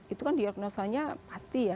itu kan diagnosanya pasti ya